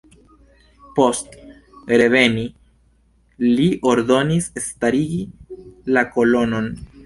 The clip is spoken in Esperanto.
Post reveni li ordonis starigi la kolonon.